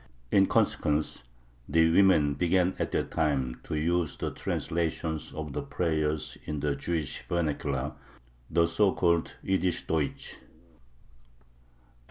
In consequence, the women began at that time to use the translations of the prayers in the Jewish vernacular, the so called Jüdisch Deutsch.